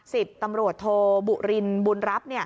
สิบตำรวจโทบุรินบุญรับ